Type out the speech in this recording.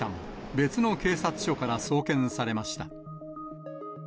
別の警察署から送検されました。